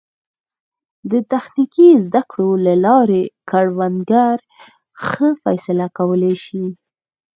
د تخنیکي زده کړو له لارې کروندګر ښه فیصله کولی شي.